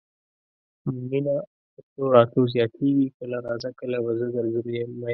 مينه په تلو راتلو زياتيږي کله راځه کله به زه درځم مينه